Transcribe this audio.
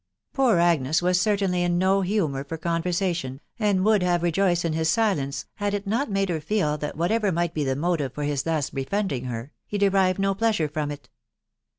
Poor Agnes was certainly in no humour for conversation, and would have rejoiced in his silence, had it not made her feel that what ever might be the motive for his thus befriending her, he derived no pleasure from it.